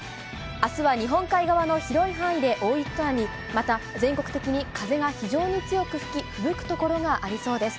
あすは日本海側の広い範囲で大雪となり、また全国的に風が非常に強く吹き、ふぶく所がありそうです。